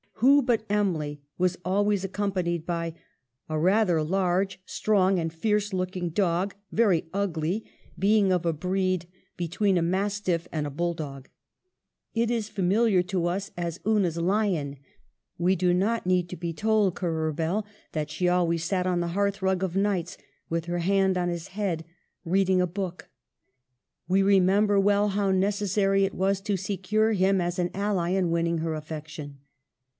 Who but Emily was always accompanied by a " rather large, strong, and fierce looking dog, very ugly, being of a breed 284 EMILY BRONTE. between a mastiff and a bulldog "? it is familiar to us as Una's lion ; we do not need to be told, Currer Bell, that she always sat on the hearthrug of nights, with her hand on his head, reading a book ; we remember well how necessary it was to secure him as an ally in winning her affection.